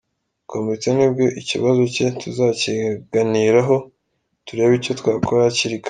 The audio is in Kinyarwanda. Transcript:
komite nibwo ikibazo cye tuzakiganiraho turebe icyo twakora hakiri kare”.